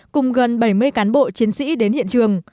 cùng gần bảy mươi cán bộ chiến sĩ đến hiện trường